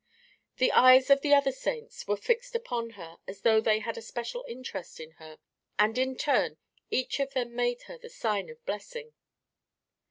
The eyes of the other saints were fixed upon her as though they had a special interest in her, and in turn each of them made her the sign of blessing.